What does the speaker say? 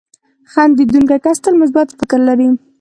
• خندېدونکی کس تل مثبت فکر لري.